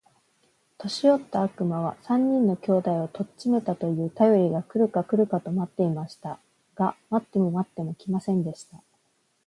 年よった悪魔は、三人の兄弟を取っちめたと言うたよりが来るか来るかと待っていました。が待っても待っても来ませんでした。